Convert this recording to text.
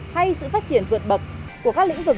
hay sự phát triển vượt bậc của các lĩnh vực